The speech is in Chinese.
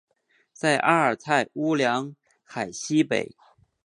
在阿尔泰乌梁海西北。